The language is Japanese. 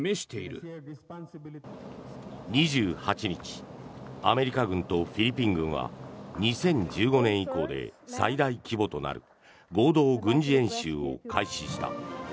２８日アメリカ軍とフィリピン軍は２０１５年以降で最大規模となる合同軍事演習を開始した。